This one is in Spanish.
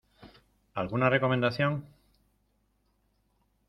¿Alguna recomendación?